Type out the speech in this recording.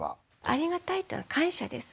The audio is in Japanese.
ありがたいっていうのは感謝です。